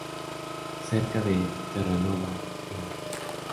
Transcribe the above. Cerca de Terranova, "In.